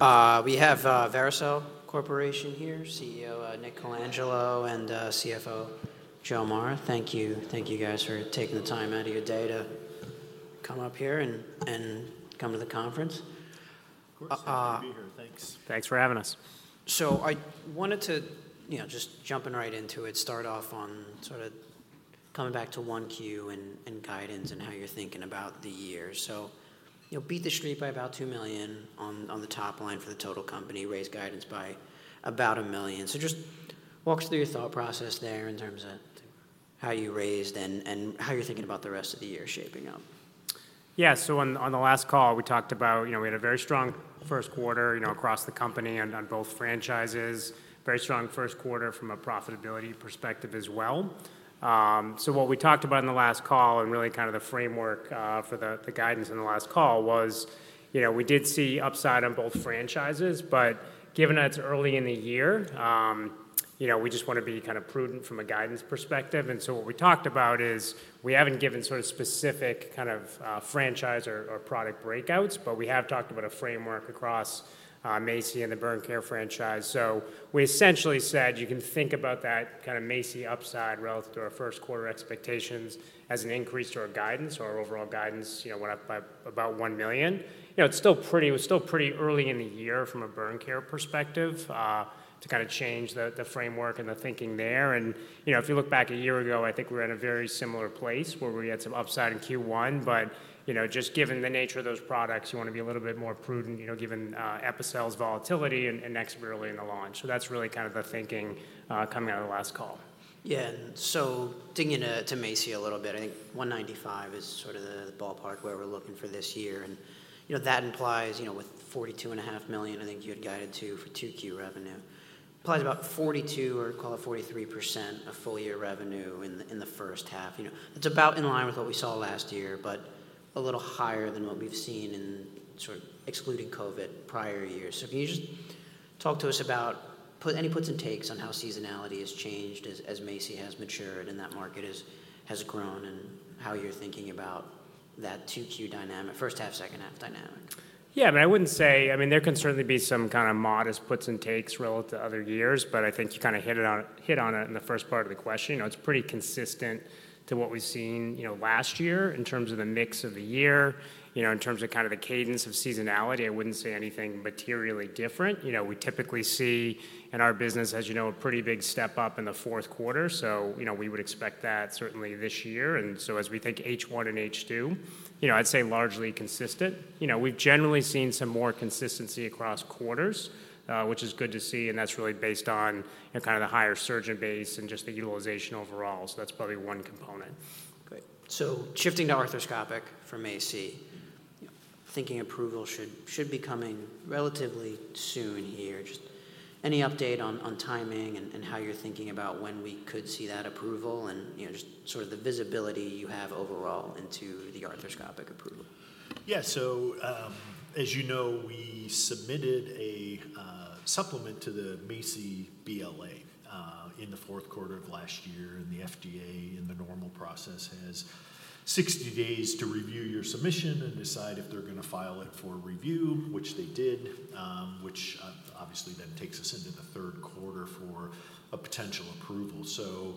We have Vericel Corporation here, CEO Nick Colangelo and CFO Joe Mara. Thank you, thank you guys for taking the time out of your day to come up here and come to the conference. Great to be here, thanks. Thanks for having us. So I wanted to, you know, just jumping right into it, start off on sort of coming back to 1Q and guidance and how you're thinking about the year. So you know, beat the street by about $2 million on the top line for the total company, raise guidance by about $1 million. So just walk us through your thought process there in terms of how you raised and how you're thinking about the rest of the year shaping up. Yeah, so on the last call we talked about, you know, we had a very strong first quarter, you know, across the company on both franchises, very strong first quarter from a profitability perspective as well. So what we talked about in the last call and really kind of the framework for the guidance in the last call was, you know, we did see upside on both franchises, but given that it's early in the year, you know, we just want to be kind of prudent from a guidance perspective. And so what we talked about is we haven't given sort of specific kind of franchise or product breakouts, but we have talked about a framework across MACI and the Burn Care franchise. So we essentially said you can think about that kind of MACI upside relative to our first quarter expectations as an increase to our guidance, our overall guidance, you know, went up by about $1 million. You know, it's still pretty, it was still pretty early in the year from a Burn Care perspective to kind of change the framework and the thinking there. And, you know, if you look back a year ago, I think we were at a very similar place where we had some upside in Q1, but, you know, just given the nature of those products, you want to be a little bit more prudent, you know, given Epicel's volatility and NexoBrid really in the launch. So that's really kind of the thinking coming out of the last call. Yeah, and so digging into MACI a little bit, I think $195 is sort of the ballpark where we're looking for this year. And, you know, that implies, you know, with $42.5 million, I think you had guided to for Q2 revenue, implies about 42 or call it 43% of full year revenue in the first half. You know, that's about in line with what we saw last year, but a little higher than what we've seen in sort of excluding COVID prior years. So can you just talk to us about any puts and takes on how seasonality has changed as MACI has matured and that market has grown and how you're thinking about that 2Q dynamic, first half, second half dynamic? Yeah, I mean, I wouldn't say, I mean, there can certainly be some kind of modest puts and takes relative to other years, but I think you kind of hit on it in the first part of the question. You know, it's pretty consistent to what we've seen, you know, last year in terms of the mix of the year, you know, in terms of kind of the cadence of seasonality. I wouldn't say anything materially different. You know, we typically see in our business, as you know, a pretty big step up in the fourth quarter. So, you know, we would expect that certainly this year. And so as we take H1 and H2, you know, I'd say largely consistent. You know, we've generally seen some more consistency across quarters, which is good to see. That's really based on, you know, kind of the higher surgeon base and just the utilization overall. That's probably one component. Great. So shifting to arthroscopic for MACI, thinking approval should be coming relatively soon here. Just any update on timing and how you're thinking about when we could see that approval and, you know, just sort of the visibility you have overall into the arthroscopic approval? Yeah, so as you know, we submitted a supplement to the MACI BLA in the fourth quarter of last year. And the FDA in the normal process has 60 days to review your submission and decide if they're going to file it for review, which they did, which obviously then takes us into the third quarter for a potential approval. So,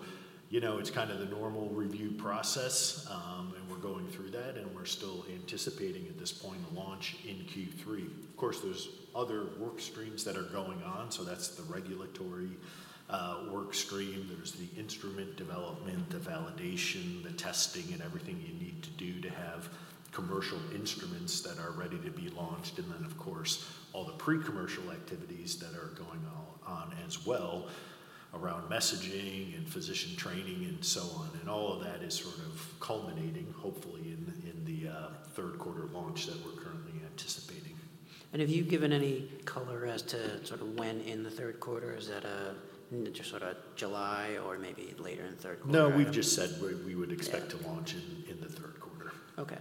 you know, it's kind of the normal review process and we're going through that and we're still anticipating at this point a launch in Q3. Of course, there's other work streams that are going on. So that's the regulatory work stream. There's the instrument development, the validation, the testing, and everything you need to do to have commercial instruments that are ready to be launched. And then, of course, all the pre-commercial activities that are going on as well around messaging and physician training and so on. All of that is sort of culminating, hopefully, in the third quarter launch that we're currently anticipating. Have you given any color as to sort of when in the third quarter? Is that just sort of July or maybe later in the third quarter? No, we've just said we would expect to launch in the third quarter. Okay.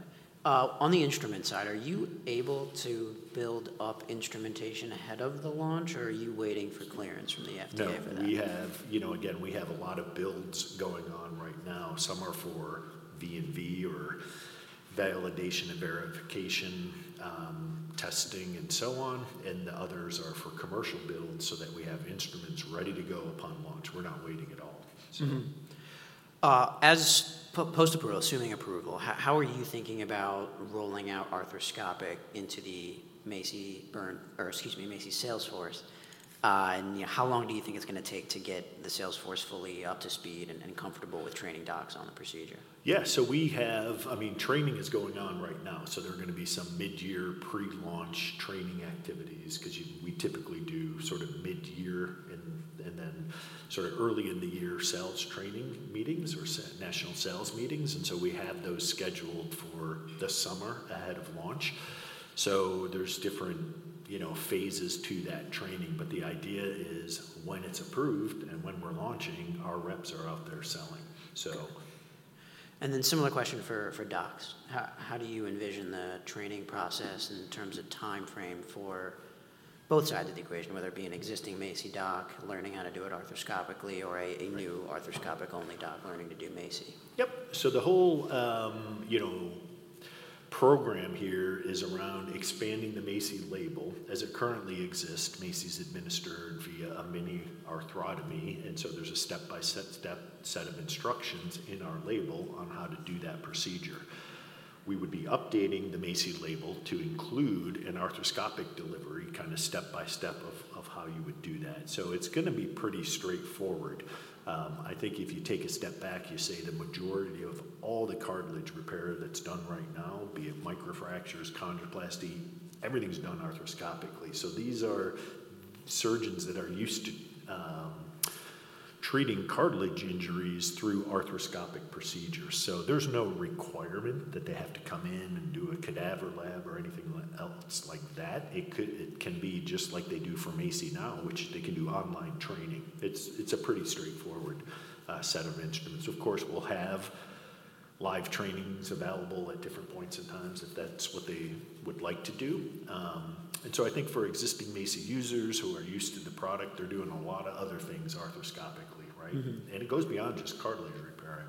On the instrument side, are you able to build up instrumentation ahead of the launch or are you waiting for clearance from the FDA for that? No, we have, you know, again, we have a lot of builds going on right now. Some are for V&V or validation and verification testing and so on. And the others are for commercial builds so that we have instruments ready to go upon launch. We're not waiting at all. As post-approval, assuming approval, how are you thinking about rolling out arthroscopic into the MACI burn or excuse me, MACI sales force? And how long do you think it's going to take to get the sales force fully up to speed and comfortable with training docs on the procedure? Yeah, so we have, I mean, training is going on right now. So there are going to be some mid-year pre-launch training activities because we typically do sort of mid-year and then sort of early in the year sales training meetings or national sales meetings. And so we have those scheduled for the summer ahead of launch. So there's different, you know, phases to that training. But the idea is when it's approved and when we're launching, our reps are out there selling. So. And then similar question for docs. How do you envision the training process in terms of timeframe for both sides of the equation, whether it be an existing MACI doc learning how to do it arthroscopically or a new arthroscopic-only doc learning to do MACI? Yep. So the whole, you know, program here is around expanding the MACI label as it currently exists. MACI's administered via a mini arthrotomy. So there's a step-by-step set of instructions in our label on how to do that procedure. We would be updating the MACI label to include an arthroscopic delivery kind of step-by-step of how you would do that. So it's going to be pretty straightforward. I think if you take a step back, you say the majority of all the cartilage repair that's done right now, be it microfractures, chondroplasty, everything's done arthroscopically. So these are surgeons that are used to treating cartilage injuries through arthroscopic procedures. So there's no requirement that they have to come in and do a cadaver lab or anything else like that. It can be just like they do for MACI now, which they can do online training. It's a pretty straightforward set of instruments. Of course, we'll have live trainings available at different points in time if that's what they would like to do. And so I think for existing MACI users who are used to the product, they're doing a lot of other things arthroscopically, right? And it goes beyond just cartilage repair.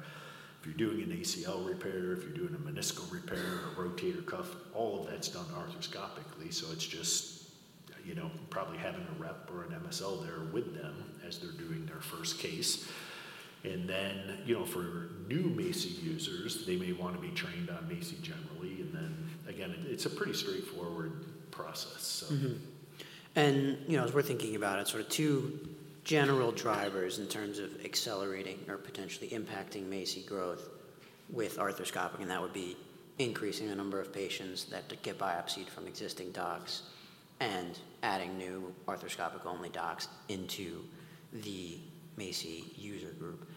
If you're doing an ACL repair, if you're doing a meniscal repair or rotator cuff, all of that's done arthroscopically. So it's just, you know, probably having a rep or an MSL there with them as they're doing their first case. And then, you know, for new MACI users, they may want to be trained on MACI generally. And then again, it's a pretty straightforward process. You know, as we're thinking about it, sort of two general drivers in terms of accelerating or potentially impacting MACI growth with arthroscopic, and that would be increasing the number of patients that get biopsied from existing docs and adding new arthroscopic-only docs into the MACI user group.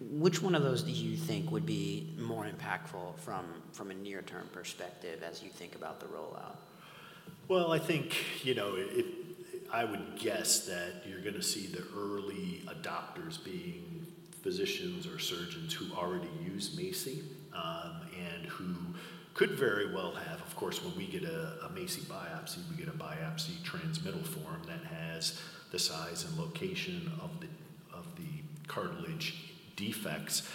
Which one of those do you think would be more impactful from a near-term perspective as you think about the rollout? Well, I think, you know, I would guess that you're going to see the early adopters being physicians or surgeons who already use MACI and who could very well have, of course, when we get a MACI biopsy, we get a biopsy transmittal form that has the size and location of the cartilage defects.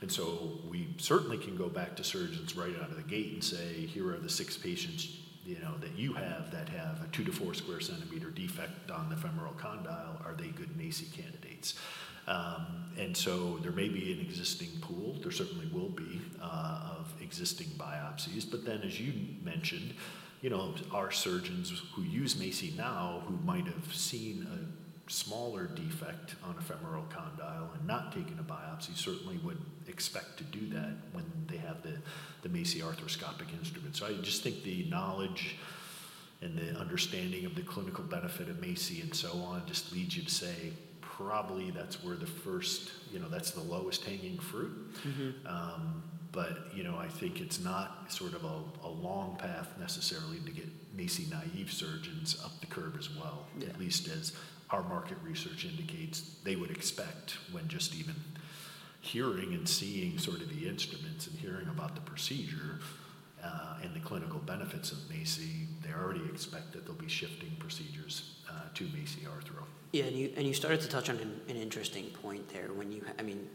And so we certainly can go back to surgeons right out of the gate and say, here are the 6 patients, you know, that you have that have a 2-4 sq cm defect on the femoral condyle. Are they good MACI candidates? And so there may be an existing pool. There certainly will be of existing biopsies. But then, as you mentioned, you know, our surgeons who use MACI now, who might have seen a smaller defect on a femoral condyle and not taken a biopsy, certainly wouldn't expect to do that when they have the MACI arthroscopic instrument. So I just think the knowledge and the understanding of the clinical benefit of MACI and so on just leads you to say probably that's where the first, you know, that's the lowest hanging fruit. But, you know, I think it's not sort of a long path necessarily to get MACI naive surgeons up the curve as well, at least as our market research indicates, they would expect when just even hearing and seeing sort of the instruments and hearing about the procedure and the clinical benefits of MACI, they already expect that they'll be shifting procedures to MACI Arthro. Yeah, and you started to touch on an interesting point there when you, I mean,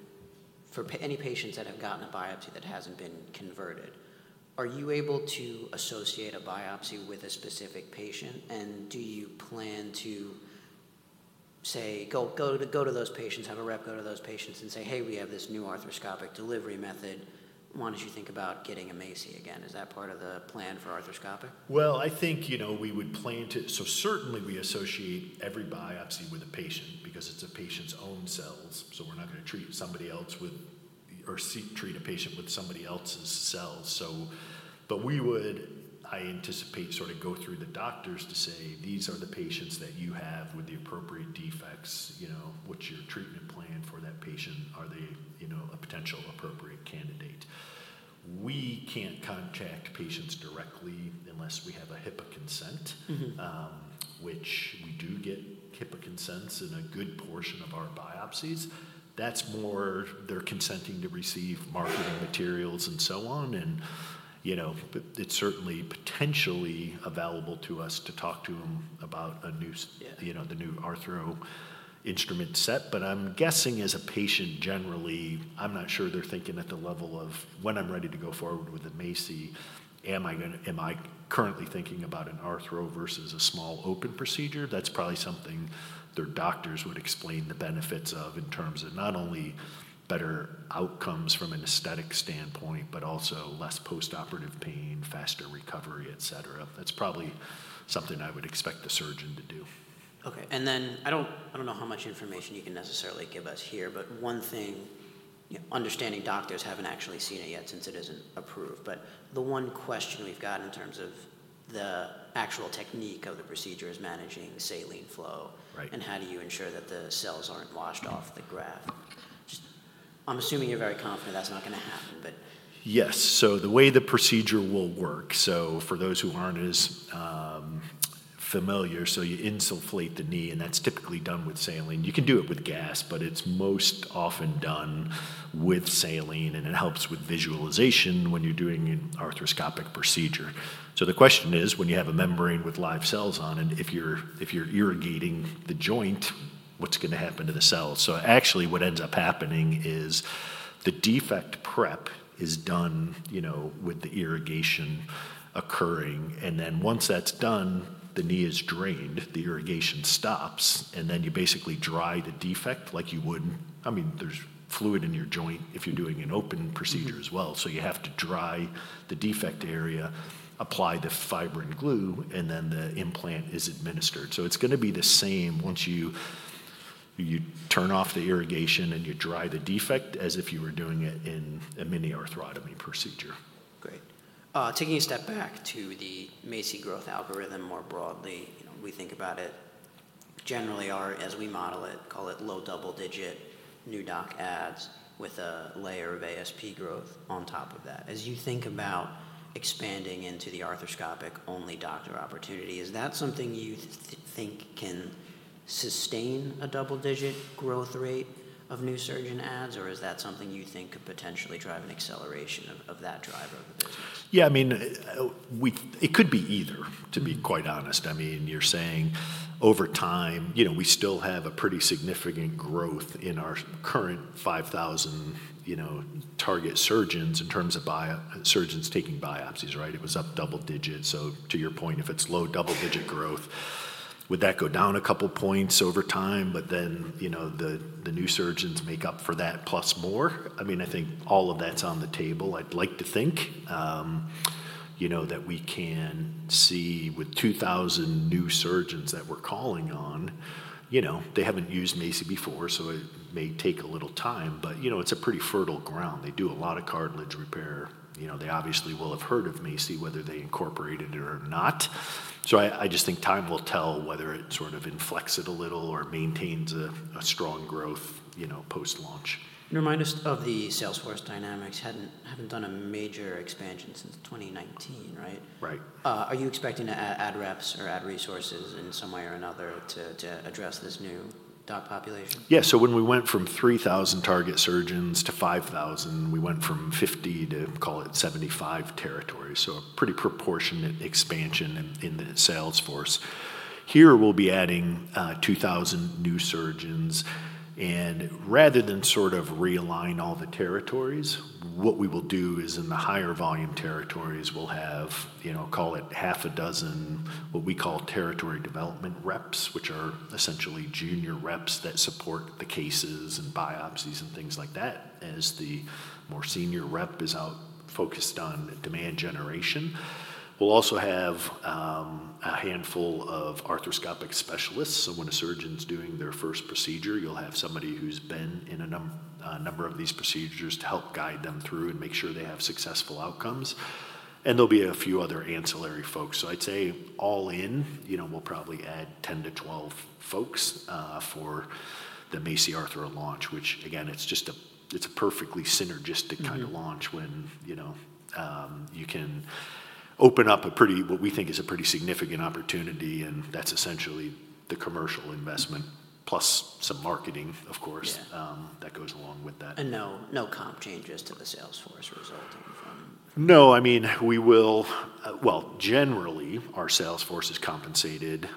for any patients that have gotten a biopsy that hasn't been converted, are you able to associate a biopsy with a specific patient? And do you plan to say, go to those patients, have a rep go to those patients and say, hey, we have this new arthroscopic delivery method. Why don't you think about getting a MACI again? Is that part of the plan for arthroscopic? Well, I think, you know, we would plan to, so certainly we associate every biopsy with a patient because it's a patient's own cells. So we're not going to treat somebody else with or treat a patient with somebody else's cells. So, but we would, I anticipate sort of go through the doctors to say, these are the patients that you have with the appropriate defects. You know, what's your treatment plan for that patient? Are they, you know, a potential appropriate candidate? We can't contact patients directly unless we have a HIPAA consent, which we do get HIPAA consents in a good portion of our biopsies. That's more they're consenting to receive marketing materials and so on. And, you know, it's certainly potentially available to us to talk to them about a new, you know, the new arthro instrument set. But I'm guessing as a patient generally, I'm not sure they're thinking at the level of when I'm ready to go forward with a MACI. Am I currently thinking about an arthro versus a small open procedure? That's probably something their doctors would explain the benefits of in terms of not only better outcomes from an aesthetic standpoint, but also less postoperative pain, faster recovery, et cetera. That's probably something I would expect the surgeon to do. Okay. And then I don't know how much information you can necessarily give us here, but one thing, understanding doctors haven't actually seen it yet since it isn't approved. But the one question we've got in terms of the actual technique of the procedure is managing saline flow and how do you ensure that the cells aren't washed off the graft? Just I'm assuming you're very confident that's not going to happen, but. Yes. So the way the procedure will work, so for those who aren't as familiar, so you insufflate the knee and that's typically done with saline. You can do it with gas, but it's most often done with saline and it helps with visualization when you're doing an arthroscopic procedure. So the question is when you have a membrane with live cells on and if you're irrigating the joint, what's going to happen to the cells? So actually what ends up happening is the defect prep is done, you know, with the irrigation occurring. And then once that's done, the knee is drained, the irrigation stops, and then you basically dry the defect like you would, I mean, there's fluid in your joint if you're doing an open procedure as well. So you have to dry the defect area, apply the fibrin glue, and then the implant is administered. It's going to be the same once you turn off the irrigation and you dry the defect as if you were doing it in a mini-arthrotomy procedure. Great. Taking a step back to the MACI growth algorithm more broadly, you know, we think about it generally as we model it, call it low double digit new doc adds with a layer of ASP growth on top of that. As you think about expanding into the arthroscopic-only doctor opportunity, is that something you think can sustain a double digit growth rate of new surgeon adds or is that something you think could potentially drive an acceleration of that driver of the business? Yeah, I mean, it could be either, to be quite honest. I mean, you're saying over time, you know, we still have a pretty significant growth in our current 5,000, you know, target surgeons in terms of surgeons taking biopsies, right? It was up double-digit. So to your point, if it's low double-digit growth, would that go down a couple points over time? But then, you know, the new surgeons make up for that plus more. I mean, I think all of that's on the table. I'd like to think, you know, that we can see with 2,000 new surgeons that we're calling on, you know, they haven't used MACI before, so it may take a little time, but, you know, it's a pretty fertile ground. They do a lot of cartilage repair. You know, they obviously will have heard of MACI, whether they incorporated it or not. I just think time will tell whether it sort of inflect it a little or maintains a strong growth, you know, post-launch. You're reminded of the sales force dynamics haven't done a major expansion since 2019, right? Right. Are you expecting to add reps or add resources in some way or another to address this new doc population? Yeah. So when we went from 3,000 target surgeons to 5,000, we went from 50 to call it 75 territories. So a pretty proportionate expansion in the sales force. Here we'll be adding 2,000 new surgeons. And rather than sort of realign all the territories, what we will do is in the higher volume territories, we'll have, you know, call it half a dozen what we call territory development reps, which are essentially junior reps that support the cases and biopsies and things like that as the more senior rep is out focused on demand generation. We'll also have a handful of arthroscopic specialists. So when a surgeon's doing their first procedure, you'll have somebody who's been in a number of these procedures to help guide them through and make sure they have successful outcomes. And there'll be a few other ancillary folks. So I'd say all in, you know, we'll probably add 10-12 folks for the MACI Arthro launch, which again, it's just a, it's a perfectly synergistic kind of launch when, you know, you can open up a pretty, what we think is a pretty significant opportunity. And that's essentially the commercial investment plus some marketing, of course, that goes along with that. No comp changes to the Salesforce resulting from. No, I mean, we will, well, generally our sales force is compensated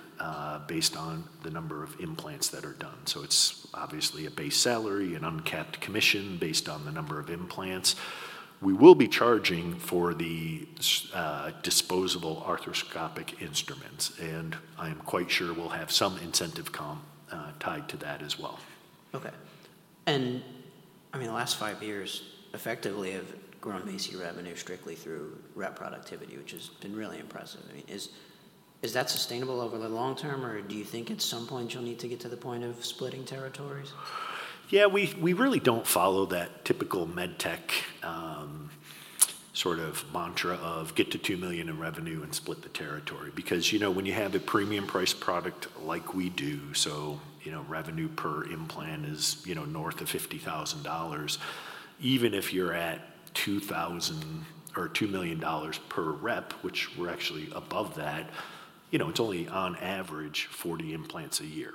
based on the number of implants that are done. So it's obviously a base salary, an uncapped commission based on the number of implants. We will be charging for the disposable arthroscopic instruments. And I'm quite sure we'll have some incentive comp tied to that as well. Okay. And I mean, the last five years effectively have grown MACI revenue strictly through rep productivity, which has been really impressive. I mean, is that sustainable over the long term or do you think at some point you'll need to get to the point of splitting territories? Yeah, we really don't follow that typical med tech sort of mantra of get to $2 million in revenue and split the territory. Because, you know, when you have a premium price product like we do, so, you know, revenue per implant is, you know, north of $50,000. Even if you're at $2,000 or $2 million per rep, which we're actually above that, you know, it's only on average 40 implants a year,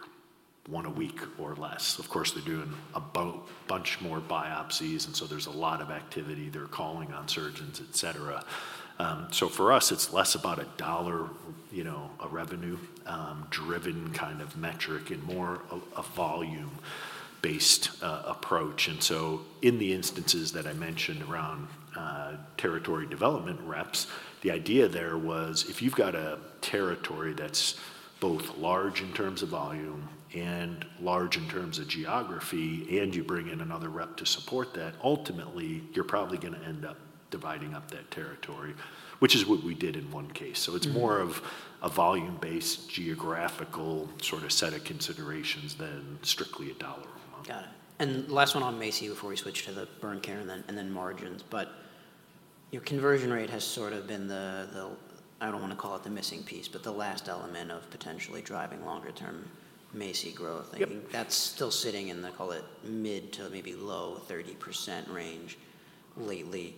one a week or less. Of course, they're doing a bunch more biopsies. And so there's a lot of activity. They're calling on surgeons, et cetera. So for us, it's less about a dollar, you know, a revenue driven kind of metric and more a volume-based approach. And so in the instances that I mentioned around territory development reps, the idea there was if you've got a territory that's both large in terms of volume and large in terms of geography and you bring in another rep to support that, ultimately you're probably going to end up dividing up that territory, which is what we did in one case. So it's more of a volume-based geographical sort of set of considerations than strictly a dollar amount. Got it. And last one on MACI before we switch to the burn care and then margins, but your conversion rate has sort of been the, I don't want to call it the missing piece, but the last element of potentially driving longer-term MACI growth. I think that's still sitting in the, call it mid- to maybe low-30% range lately.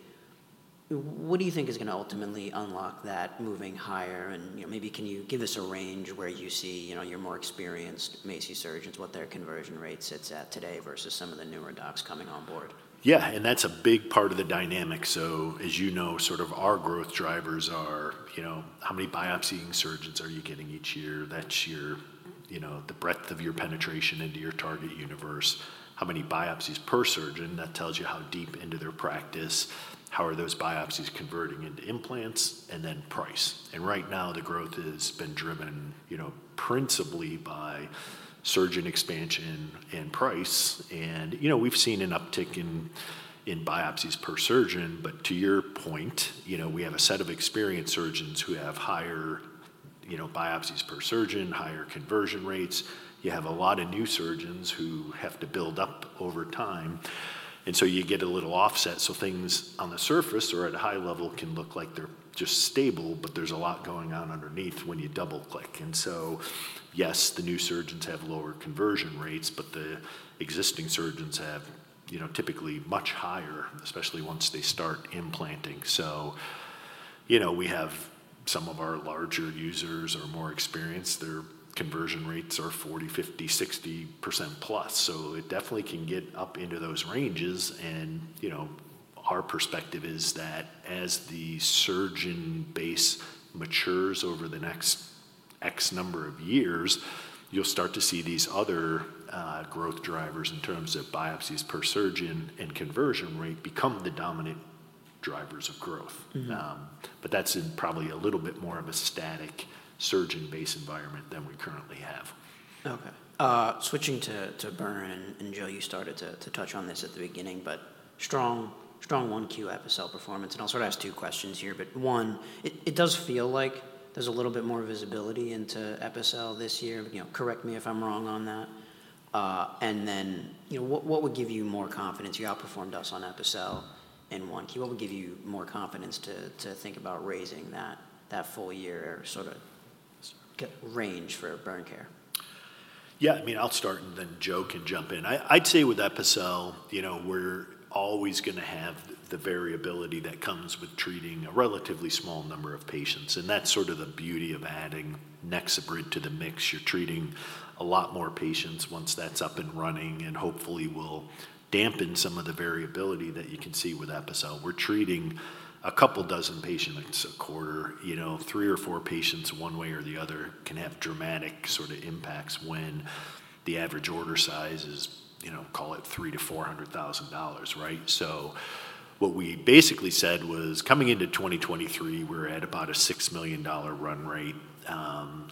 What do you think is going to ultimately unlock that moving higher? And, you know, maybe can you give us a range where you see, you know, your more experienced MACI surgeons, what their conversion rate sits at today versus some of the newer docs coming on board? Yeah. And that's a big part of the dynamic. So as you know, sort of our growth drivers are, you know, how many biopsying surgeons are you getting each year? That's your, you know, the breadth of your penetration into your target universe. How many biopsies per surgeon? That tells you how deep into their practice, how are those biopsies converting into implants, and then price. And right now the growth has been driven, you know, principally by surgeon expansion and price. And, you know, we've seen an uptick in biopsies per surgeon, but to your point, you know, we have a set of experienced surgeons who have higher, you know, biopsies per surgeon, higher conversion rates. You have a lot of new surgeons who have to build up over time. And so you get a little offset. So things on the surface or at a high level can look like they're just stable, but there's a lot going on underneath when you double click. And so yes, the new surgeons have lower conversion rates, but the existing surgeons have, you know, typically much higher, especially once they start implanting. So, you know, we have some of our larger users are more experienced. Their conversion rates are 40%, 50%, 60% plus. So it definitely can get up into those ranges. And, you know, our perspective is that as the surgeon base matures over the next X number of years, you'll start to see these other growth drivers in terms of biopsies per surgeon and conversion rate become the dominant drivers of growth. But that's in probably a little bit more of a static surgeon base environment than we currently have. Okay. Switching to Burn and Joe, you started to touch on this at the beginning, but strong, strong 1Q Epicel performance. And I'll sort of ask two questions here, but one, it does feel like there's a little bit more visibility into Epicel this year. You know, correct me if I'm wrong on that. And then, you know, what would give you more confidence? You outperformed us on Epicel in 1Q. What would give you more confidence to think about raising that full year sort of range for burn care? Yeah, I mean, I'll start and then Joe can jump in. I'd say with Epicel, you know, we're always going to have the variability that comes with treating a relatively small number of patients. And that's sort of the beauty of adding NexoBrid to the mix. You're treating a lot more patients once that's up and running and hopefully will dampen some of the variability that you can see with Epicel. We're treating a couple dozen patients a quarter. You know, three or four patients one way or the other can have dramatic sort of impacts when the average order size is, you know, call it $300,000-$400,000, right? So what we basically said was coming into 2023, we're at about a $6 million run rate,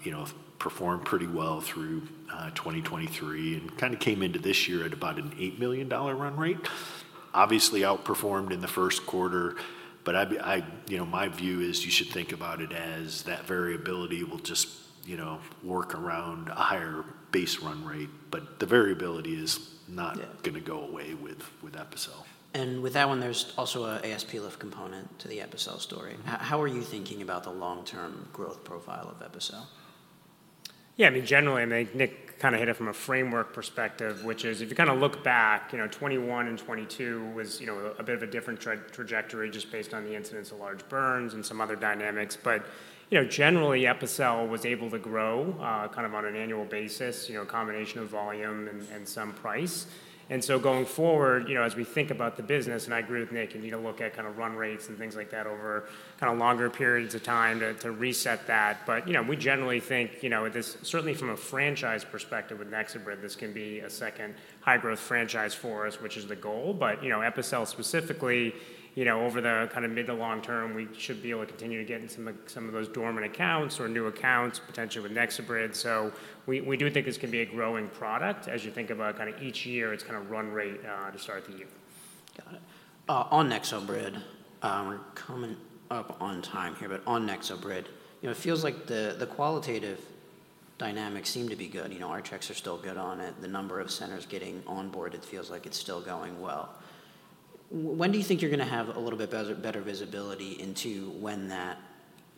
you know, performed pretty well through 2023 and kind of came into this year at about an $8 million run rate. Obviously outperformed in the first quarter, but I, you know, my view is you should think about it as that variability will just, you know, work around a higher base run rate, but the variability is not going to go away with Epicel. With that one, there's also an ASP lift component to the Epicel story. How are you thinking about the long-term growth profile of Epicel? Yeah, I mean, generally, I think Nick kind of hit it from a framework perspective, which is if you kind of look back, you know, 2021 and 2022 was, you know, a bit of a different trajectory just based on the incidence of large burns and some other dynamics. But, you know, generally Epicel was able to grow kind of on an annual basis, you know, a combination of volume and some price. And so going forward, you know, as we think about the business, and I agree with Nick, you need to look at kind of run rates and things like that over kind of longer periods of time to reset that. But, you know, we generally think, you know, this certainly from a franchise perspective with NexoBrid, this can be a second high growth franchise for us, which is the goal. You know, Epicel specifically, you know, over the kind of mid to long term, we should be able to continue to get into some of those dormant accounts or new accounts potentially with NexoBrid. We do think this can be a growing product as you think about kind of each year it's kind of run rate to start the year. Got it. On NexoBrid, we're coming up on time here, but on NexoBrid, you know, it feels like the qualitative dynamics seem to be good. You know, Rx are still good on it. The number of centers getting on board, it feels like it's still going well. When do you think you're going to have a little bit better visibility into when that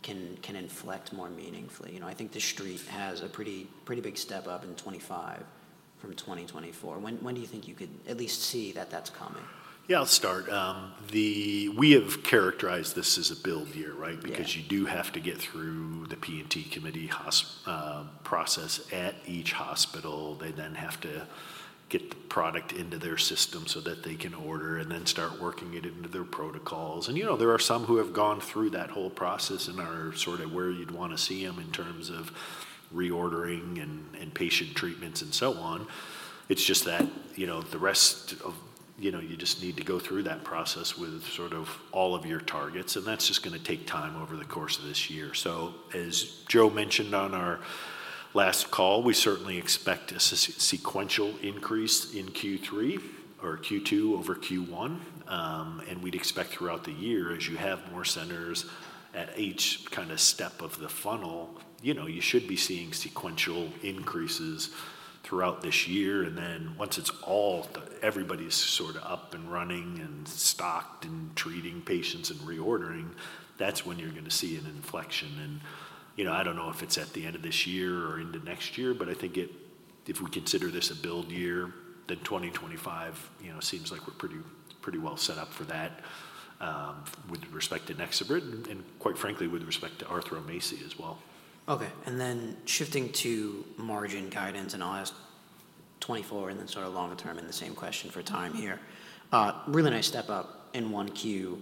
can inflect more meaningfully? You know, I think the street has a pretty big step up in 2025 from 2024. When do you think you could at least see that that's coming? Yeah, I'll start. We have characterized this as a build year, right? Because you do have to get through the P&T committee process at each hospital. They then have to get the product into their system so that they can order and then start working it into their protocols. And, you know, there are some who have gone through that whole process and are sort of where you'd want to see them in terms of reordering and patient treatments and so on. It's just that, you know, the rest of, you know, you just need to go through that process with sort of all of your targets. And that's just going to take time over the course of this year. So as Joe mentioned on our last call, we certainly expect a sequential increase in Q3 or Q2 over Q1. We'd expect throughout the year, as you have more centers at each kind of step of the funnel, you know, you should be seeing sequential increases throughout this year. Then once it's all, everybody's sort of up and running and stocked and treating patients and reordering, that's when you're going to see an inflection. You know, I don't know if it's at the end of this year or into next year, but I think if we consider this a build year, then 2025, you know, seems like we're pretty well set up for that with respect to NexoBrid and quite frankly with respect to MACI Arthro as well. Okay. And then shifting to margin guidance and I'll ask 2024 and then sort of longer term in the same question for time here. Really nice step up in 1Q,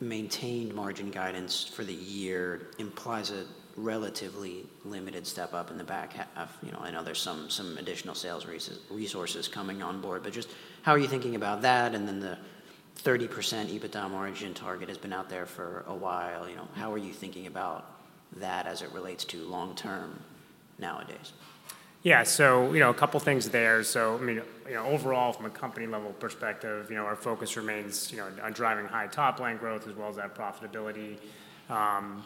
maintained margin guidance for the year implies a relatively limited step up in the back half. You know, I know there's some additional sales resources coming on board, but just how are you thinking about that? And then the 30% EBITDA margin target has been out there for a while. You know, how are you thinking about that as it relates to long term nowadays? Yeah, so, you know, a couple of things there. So, I mean, you know, overall from a company level perspective, you know, our focus remains, you know, on driving high top line growth as well as that profitability.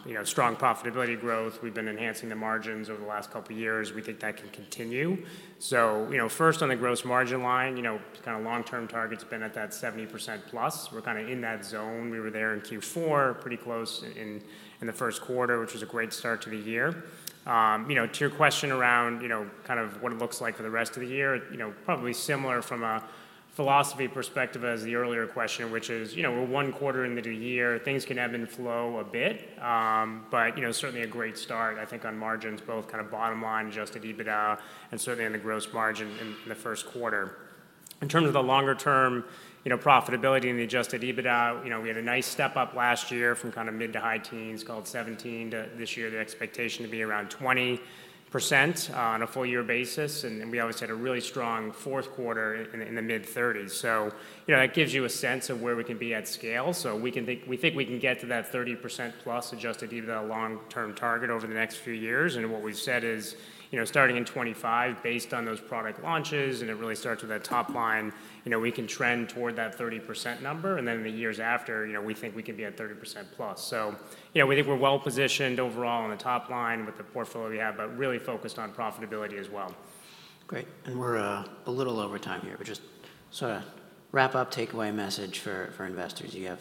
You know, strong profitability growth. We've been enhancing the margins over the last couple of years. We think that can continue. So, you know, first on the gross margin line, you know, kind of long-term target's been at that 70%+. We're kind of in that zone. We were there in Q4 pretty close in the first quarter, which was a great start to the year. You know, to your question around, you know, kind of what it looks like for the rest of the year, you know, probably similar from a philosophy perspective as the earlier question, which is, you know, we're one quarter into the year, things can ebb and flow a bit, but, you know, certainly a great start I think on margins, both kind of bottom line, adjusted EBITDA, and certainly in the gross margin in the first quarter. In terms of the longer term, you know, profitability and the adjusted EBITDA, you know, we had a nice step up last year from kind of mid- to high-teens called 17 to this year, the expectation to be around 20% on a full year basis. And we obviously had a really strong fourth quarter in the mid-30s. So, you know, that gives you a sense of where we can be at scale. So we think we can get to that 30%+ adjusted EBITDA long-term target over the next few years. And what we've said is, you know, starting in 2025, based on those product launches, and it really starts with that top line, you know, we can trend toward that 30% number. And then in the years after, you know, we think we can be at 30%+. So, you know, we think we're well positioned overall on the top line with the portfolio we have, but really focused on profitability as well. Great. And we're a little over time here, but just sort of wrap up takeaway message for investors. You have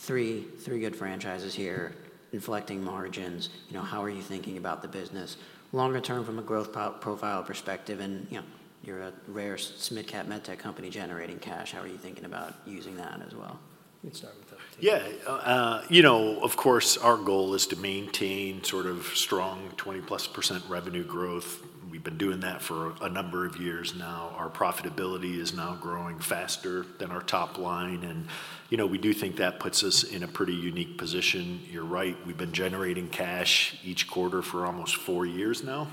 three good franchises here, inflecting margins. You know, how are you thinking about the business longer term from a growth profile perspective? And, you know, you're a rare SMID cap med tech company generating cash. How are you thinking about using that as well? Let's start with that. Yeah. You know, of course, our goal is to maintain sort of strong 20%+ revenue growth. We've been doing that for a number of years now. Our profitability is now growing faster than our top line. And, you know, we do think that puts us in a pretty unique position. You're right. We've been generating cash each quarter for almost four years now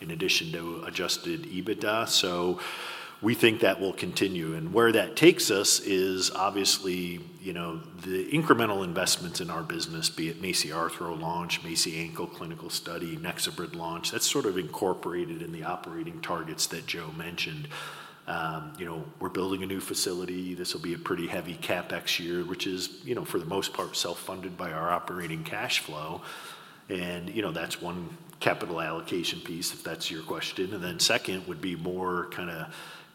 in addition to adjusted EBITDA. So we think that will continue. And where that takes us is obviously, you know, the incremental investments in our business, be it MACI Arthro launch, MACI Ankle clinical study, NexoBrid launch, that's sort of incorporated in the operating targets that Joe mentioned. You know, we're building a new facility. This will be a pretty heavy CapEx year, which is, you know, for the most part self-funded by our operating cash flow. And, you know, that's one capital allocation piece, if that's your question. And then second would be more kind of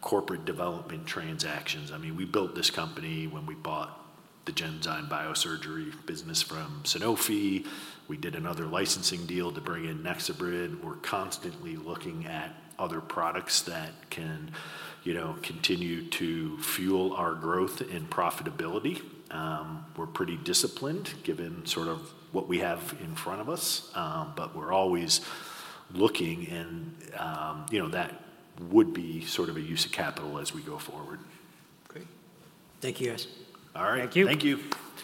corporate development transactions. I mean, we built this company when we bought the Genzyme biosurgery business from Sanofi. We did another licensing deal to bring in NexoBrid. We're constantly looking at other products that can, you know, continue to fuel our growth and profitability. We're pretty disciplined given sort of what we have in front of us, but we're always looking and, you know, that would be sort of a use of capital as we go forward. Great. Thank you, guys. All right. Thank you. Thank you.